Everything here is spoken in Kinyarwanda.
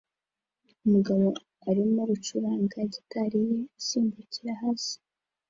Umugabo arimo gucuranga gitari ye asimbukira hasi